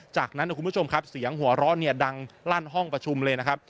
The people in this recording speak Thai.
จากนั้นคุณผู้ชมครับเสียงหัวเราะเนี่ยดังลั่นห้องประชุมเลยนะครับ